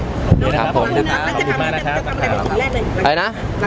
ขอบคุณนะครับขอบคุณมากนะครับ